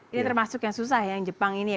ini termasuk yang susah ya yang jepang ini ya